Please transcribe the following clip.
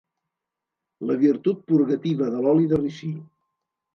La virtut purgativa de l'oli de ricí.